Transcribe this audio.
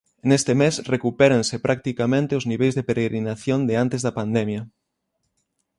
Neste mes recupéranse, practicamente, os niveis de peregrinación de antes da pandemia.